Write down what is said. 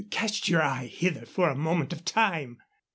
Cast your eye hither for a moment of time."